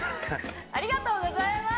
ありがとうございます